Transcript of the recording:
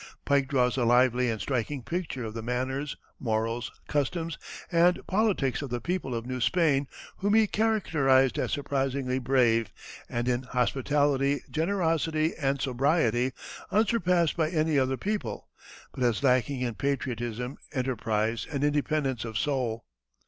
Pike draws a lively and striking picture of the manners, morals, customs, and politics of the people of New Spain, whom he characterized as surprisingly brave, and in hospitality, generosity, and sobriety unsurpassed by any other people, but as lacking in patriotism, enterprise, and independence of soul.